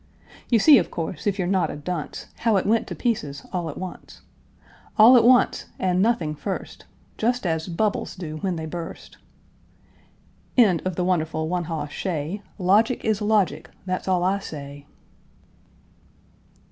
You see, of course, if you're not a dunce, How it went to pieces all at once, All at once, and nothing first, Just as bubbles do when they burst. End of the wonderful one hoss shay. Logic is logic. That's all I say.